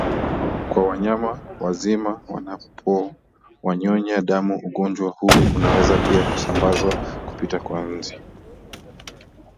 kwa wanyama wazima wanapowanyonya damu Ugonjwa huu unaweza pia kusambazwa kupitia kwa nzi